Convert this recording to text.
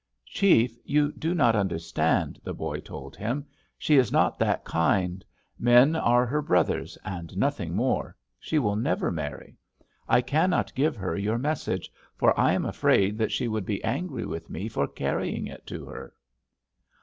"'Chief, you do not understand,' the boy told him. 'She is not that kind. Men are her brothers, and nothing more. She will never marry. I cannot give her your message, for I am afraid that she would be angry with me for carrying it to her.'